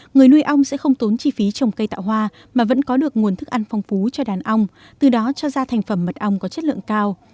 người nuôi ong sẽ không tốn chi phí trồng cây tạo hoa mà vẫn có được nguồn thức ăn phong phú cho đàn ong từ đó cho ra thành phẩm mật ong có chất lượng cao